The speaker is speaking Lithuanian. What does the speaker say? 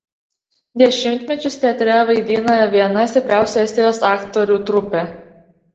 Dešimtmečius teatre vaidina viena stipriausių Estijoje aktorių trupė.